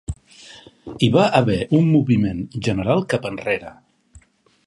Hi va haver un moviment general cap enrere.